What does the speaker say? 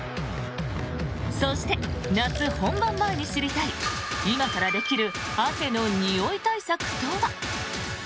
そして、夏本番前に知りたい今からできる汗のにおい対策とは。